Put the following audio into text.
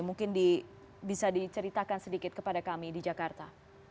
mungkin bisa diceritakan sedikit kepada kami di jakarta